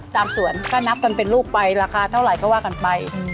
สวนถ้านับกันเป็นลูกไปราคาเท่าไหร่ก็ว่ากันไป